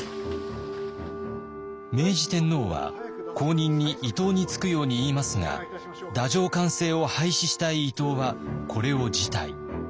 明治天皇は後任に伊藤につくように言いますが太政官制を廃止したい伊藤はこれを辞退。